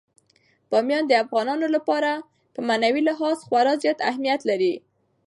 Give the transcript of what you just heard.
بامیان د افغانانو لپاره په معنوي لحاظ خورا زیات ارزښت لري.